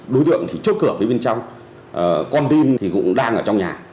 đối tượng thì chốt cửa phía bên trong con tin thì cũng đang ở trong nhà